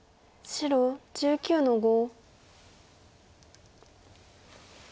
白１３の五。